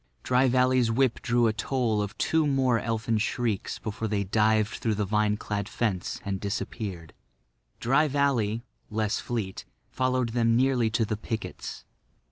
Dry Valley's whip drew a toll of two more elfin shrieks before they dived through the vine clad fence and disappeared. Dry Valley, less fleet, followed them nearly to the pickets.